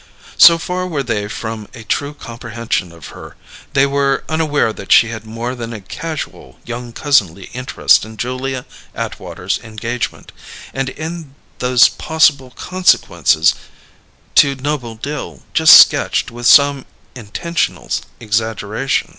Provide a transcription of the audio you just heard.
So far were they from a true comprehension of her, they were unaware that she had more than a casual, young cousinly interest in Julia Atwater's engagement and in those possible consequences to Noble Dill just sketched with some intentional exaggeration.